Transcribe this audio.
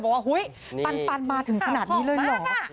พูดว่าปันปันมาถึงขนาดนี้เลยล่ะ